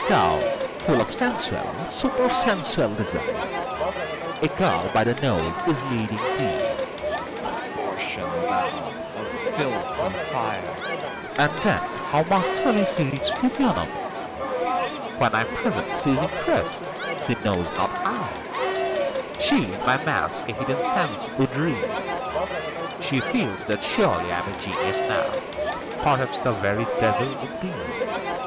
MEPHISTOPHELES Thou, full of sensual, super sensual desire, A girl by the nose is leading thee. FAUST Abortion, thou, of filth and fire! MEPHISTOPHELES And then, how masterly she reads physiognomy! When I am present she's impressed, she knows not how; She in my mask a hidden sense would read: She feels that surely I'm a genius now, Perhaps the very Devil, indeed!